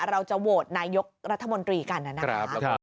เราจะโหวตนายกรัฐมนตรีกันนะครับ